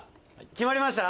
決まりました？